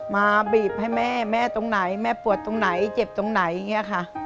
มาบีบให้แม่แม่ตรงไหนแม่ปวดตรงไหนเจ็บตรงไหนอย่างนี้ค่ะ